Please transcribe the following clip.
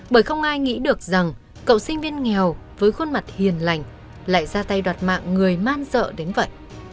bởi không ai nghĩ được rằng cậu sinh viên nghèo với khuôn mặt hiền lành lại ra tay đoạt mạng người man dợ đến vậy